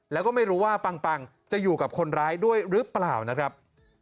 แล้วก็ไม่รู้ว่าปังจะอยู่กับคนร้ายด้วยหรือเปล่านะครับ